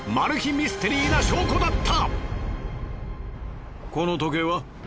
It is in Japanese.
ミステリーな証拠だった。